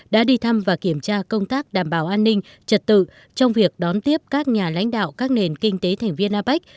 đã đi thăm và kiểm tra công tác đảm bảo an ninh trật tự trong việc đón tiếp các nhà lãnh đạo các nền kinh tế thành viên apec